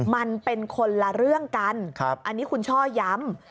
มันเป็นคนละเรื่องกันอันนี้คุณช่อย้ำ